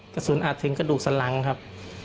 กระสุนอาจถึงกระดูกสลังครับ